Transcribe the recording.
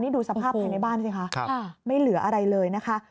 ดูสภาพภายในบ้านสิคะไม่เหลืออะไรเลยนะคะ